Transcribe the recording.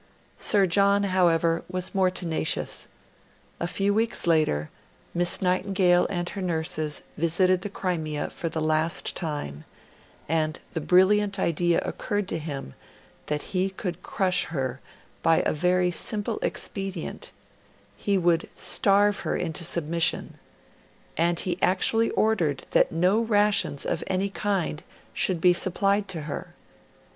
Sir John, however, was more tenacious. A few weeks later, Miss Nightingale and her nurses visited the Crimea for the last time, and the brilliant idea occurred to him that he could crush her by a very simple expedient he would starve her into submission; and he actually ordered that no rations of any kind should be supplied to her.